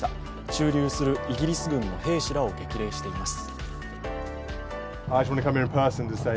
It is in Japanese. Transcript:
駐留するイギリス軍の兵士らを激励しています。